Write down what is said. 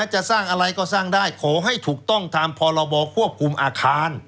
จะสร้างอะไรก็สร้างได้ขอให้ถูกต้องตามพรบควบคุมอาคาร